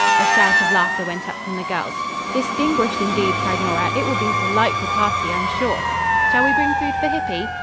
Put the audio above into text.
A shout of laughter went up from the girls "Distinguished, indeed," cried Nora. "It will be a delightful party I am sure." "Shall we bring food for Hippy!"